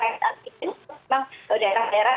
tes pcr ini memang daerah daerah